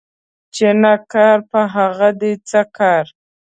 چي نه کار ، په هغه دي څه کار